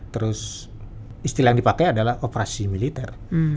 terus istilah yang dipakai adalah operasi militer